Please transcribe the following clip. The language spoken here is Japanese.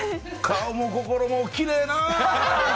顔も心もきれいな。